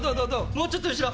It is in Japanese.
もうちょっと後ろ。